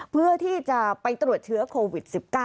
เพื่อที่จะไปตรวจเชื้อโควิด๑๙